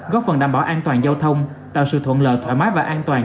góp phần đảm bảo an toàn giao thông tạo sự thuận lợi thoải mái và an toàn